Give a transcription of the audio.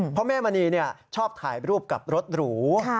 เพราะแม่มณีชอบถ่ายรูปกับรถหรู